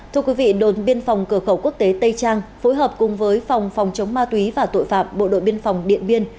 thưa quý vị đồn biên phòng cửa khẩu quốc tế tây trang phối hợp cùng với phòng phòng chống ma túy và tội phạm bộ đội biên phòng điện biên